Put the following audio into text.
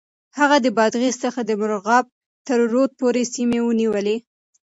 هغه د بادغيس څخه د مرغاب تر رود پورې سيمې ونيولې.